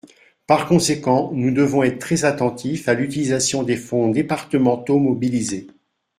Par conséquent, nous devons être très attentifs à l’utilisation des fonds départementaux mobilisés.